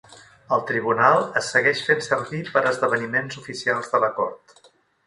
El tribunal es segueix fent servir per a esdeveniments oficials de la cort.